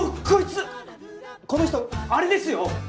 こいつこの人あれですよ